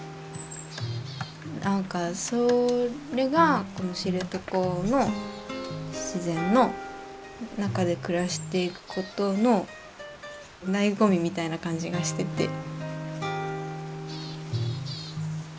なんかそれがこの知床の自然の中で暮らしていくことの醍醐味みたいな感じがしてて。